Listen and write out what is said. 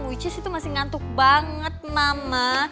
wiches itu masih ngantuk banget mama